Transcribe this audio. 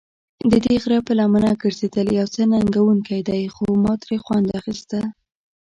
ددې غره پر لمنه ګرځېدل یو څه ننګوونکی دی، خو ما ترې خوند اخیسته.